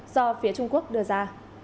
do phía trung quốc đưa ra